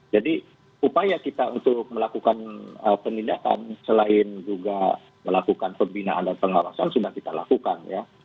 jadi upaya kita untuk melakukan tindakan selain juga melakukan pembinaan dan pengawasan sudah kita lakukan